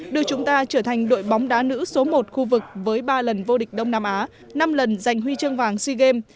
đưa chúng ta trở thành đội bóng đá nữ số một khu vực với ba lần vô địch đông nam á năm lần giành huy chương vàng sea games